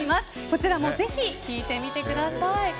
こちらもぜひ聴いてみてください。